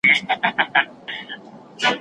له بې وزلو سره مرسته کول ثواب لري.